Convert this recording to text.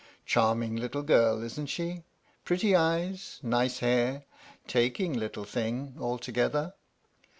Charming little girl, isn't she ? Pretty eyes nice hair taking little thing, altogether.